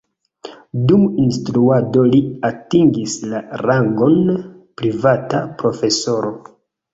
Dum instruado li atingis la rangon privata profesoro.